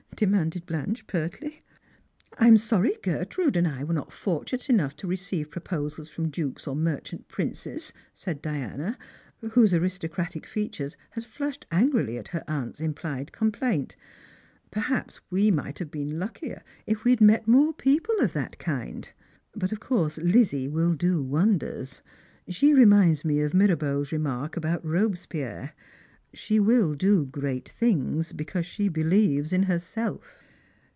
" demanded Blanche pertly. "I am sorry Gertrude and I were not fortunate enough to receive proposals from dukes or merchant princes," said Diana, whose aristocratic features had flushed angrily at her aunt's implied complaint. " Perhaps we might have been luckier if we had met more people of that kind. But of course Lizzie will do wonders. She reminds me of Mirabeau's remark about Kobespierre ; she will do great things, because she believes in herself."